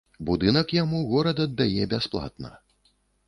Будынак яму горад аддае бясплатна.